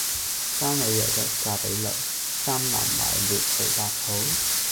生女猶得嫁比鄰，生男埋沒隨百草！